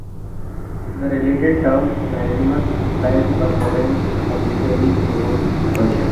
The related term "bannimus" implies a permanent, publicly announced expulsion.